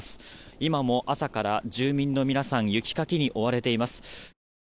今は、住民の皆さん雪かきに追われています。